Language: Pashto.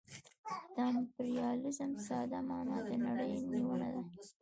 د امپریالیزم ساده مانا د نړۍ نیونه ده